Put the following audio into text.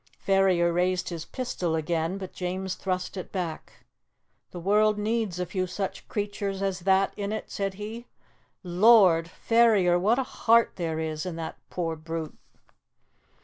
Ferrier raised his pistol again, but James thrust it back. "The world needs a few such creatures as that in it," said he. "Lord! Ferrier, what a heart there is in the poor brute!"